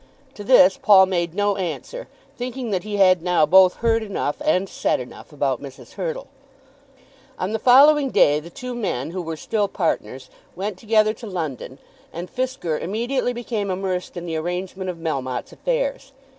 To this Paul made no answer, thinking that he had now both heard enough and said enough about Mrs. Hurtle. On the following day the two men, who were still partners, went together to London, and Fisker immediately became immersed in the arrangement of Melmotte's affairs.